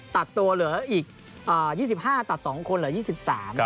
ตัดตัวเหลืออีก๒๕ตัด๒คนเหลือ๒๓